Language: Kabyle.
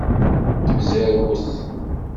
Zerwet.